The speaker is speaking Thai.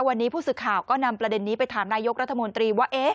วันนี้ผู้สื่อข่าวก็นำประเด็นนี้ไปถามนายกรัฐมนตรีว่า